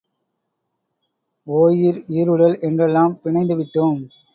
ஓயிர் ஈருடல் என்றெல்லாம் பிணைந்துவிட்டோம்.